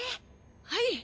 はい！